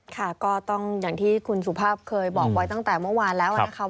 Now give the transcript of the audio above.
ค่ะก็ต้องอย่างที่คุณสุภาพเคยบอกไว้ตั้งแต่เมื่อวานแล้วนะคะ